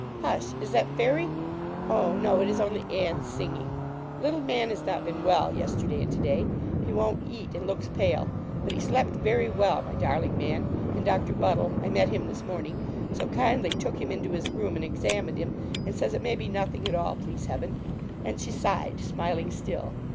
'Hush! is that Fairy? Oh, no, it is only Anne singing. Little man has not been well yesterday and to day. He won't eat, and looks pale, but he slept very well, my darling man; and Doctor Buddle I met him this morning so kindly took him into his room, and examined him, and says it may be nothing at all, please Heaven,' and she sighed, smiling still.